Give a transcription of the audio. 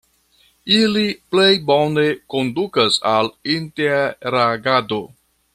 Ili plej bone kondukas al interagado.